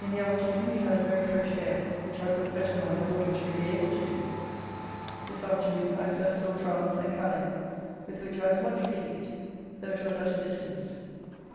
In the afternoon we had a very fresh gale, which I brooked better than I thought I should be able to do. This afternoon I first saw France and Calais, with which I was much pleased, though it was at a distance.